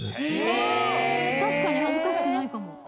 確かに恥ずかしくないかも。